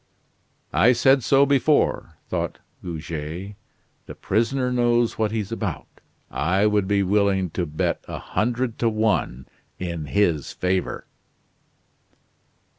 "I said so before," thought Goguet, "the prisoner knows what he's about. I would be willing to bet a hundred to one in his favor."